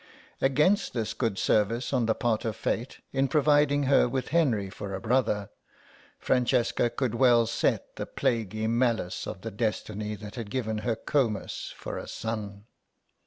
Against this good service on the part of Fate in providing her with Henry for a brother, Francesca could well set the plaguy malice of the destiny that had given her Comus for a son.